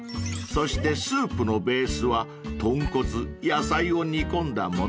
［そしてスープのベースは豚骨野菜を煮込んだもの］